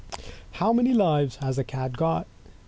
1 How many Lives has the Cat got?